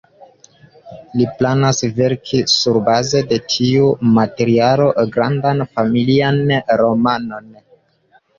Li planas verki surbaze de tiu materialo grandan familian romanon.